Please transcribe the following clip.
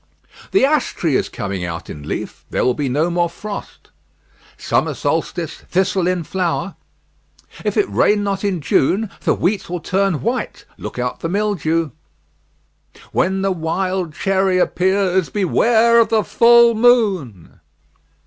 "The ash tree is coming out in leaf. There will be no more frost." "Summer solstice, thistle in flower." "If it rain not in June, the wheat will turn white. Look out for mildew." "When the wild cherry appears, beware of the full moon."